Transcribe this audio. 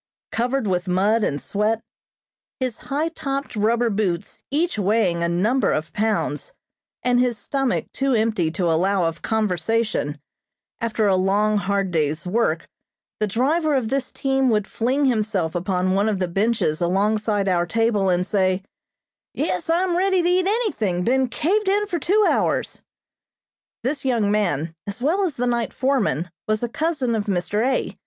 Covered with mud and sweat, his high topped rubber boots each weighing a number of pounds, and his stomach too empty to allow of conversation, after a long, hard day's work, the driver of this team would fling himself upon one of the benches alongside our table and say: "Yes, I'm ready to eat anything. Been caved in for two hours." This young man, as well as the night foreman, was a cousin of Mr. A.